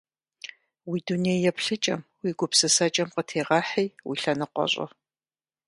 Уи дуней еплъыкӀэм, уи гупсысэкӀэм къытегъэхьи, уи лъэныкъуэ щӀы.